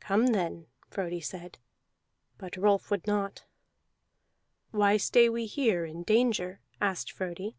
"Come then," Frodi said. But Rolf would not. "Why stay we here in danger?" asked Frodi.